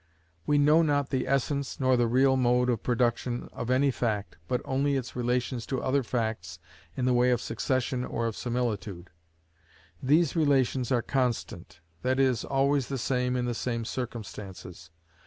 We know not the essence, nor the real mode of production, of any fact, but only its relations to other facts in the way of succession or of similitude. These relations are constant; that is, always the same in the same circumstances.